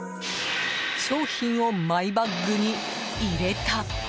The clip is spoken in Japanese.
商品をマイバッグに入れた！